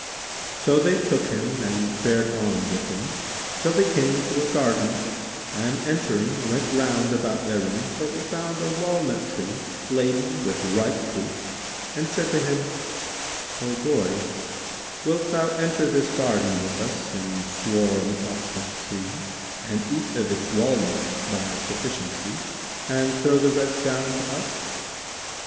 So they took him and fared on with him till they came to a garden, and entering, went round about therein till they found a walnut tree laden with ripe fruit and said to him, "O Boy, wilt thou enter this garden with us and swarm up this tree and eat of its walnuts thy sufficiency and throw the rest down to us?"